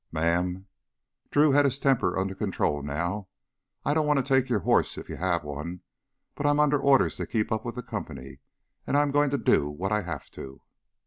"Ma'am" Drew had his temper under control now "I don't want to take your horse if you have one. But I'm under orders to keep up with the company. And I'm goin' to do what I have to...."